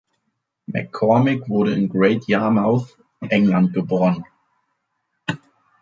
McCormick wurde in Great Yarmouth, England geboren.